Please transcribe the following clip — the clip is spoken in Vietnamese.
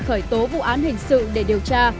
khởi tố vụ án hình sự để điều tra